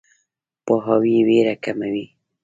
پوهاوی ویره کموي.